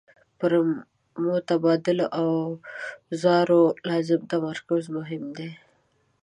پر متبادلو اوزارو لازم تمرکز مهم دی.